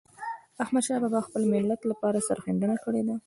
احمدشاه بابا د خپل ملت لپاره سرښندنه کړې ده.